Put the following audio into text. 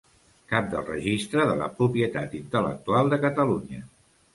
Cap del Registre de la Propietat Intel·lectual de Catalunya.